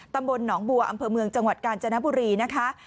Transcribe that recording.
ตำบลหนองบัวอำเภอเมืองจังหวัดกาญจนบุรีนะคะ